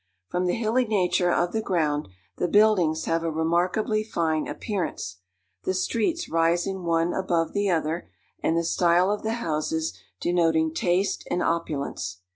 From the hilly nature of the ground, the buildings have a remarkably fine appearance, the streets rising one above the other, and the style of the houses denoting taste and opulence.